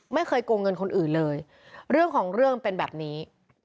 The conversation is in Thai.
ไม่เคยโกงเงินคนอื่นเลยเรื่องของเรื่องเป็นแบบนี้